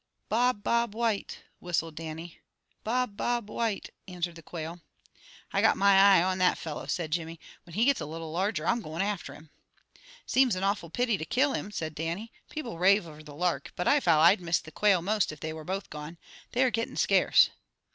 "Bob, Bob White," whistled Dannie. "Bob, Bob White," answered the quail. "I got my eye on that fellow," said Jimmy. "When he gets a little larger, I'm going after him." "Seems an awful pity to kill him," said Dannie. "People rave over the lark, but I vow I'd miss the quail most if they were both gone. They are getting scarce."